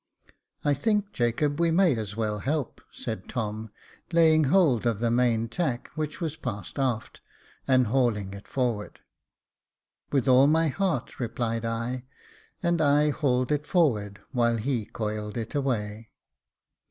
"I think, Jacob, we may as well help," said Tom, laying hold of the main tack, which was passed aft, and hauling it forward. " "With all my heart," replied I, and I hauled it forward, while he coiled it away.